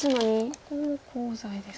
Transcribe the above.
ここもコウ材ですか。